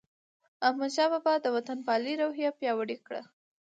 احمدشاه بابا د وطن پالنې روحیه پیاوړې کړه.